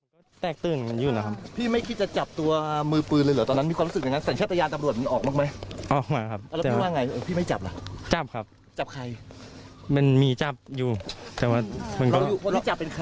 ภัยคำว่าจับที่จับหรือว่าตำรวจคนอื่นเป็นคนจับ